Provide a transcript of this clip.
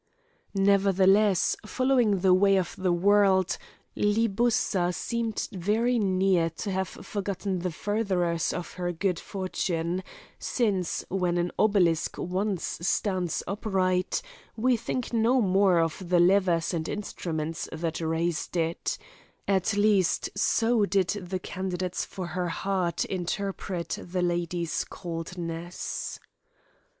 Nevertheless, following the way of the world, Libussa seemed very near to have forgotten the furtherers of her good fortune; since, when an obelisk once stands upright, we think no more of the levers and instruments that raised it at least so did the candidates for her heart interpret the lady's coldness.